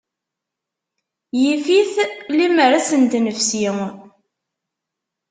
Yif-it limmer ad sent-nefsi.